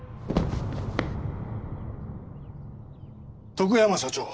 徳山社長。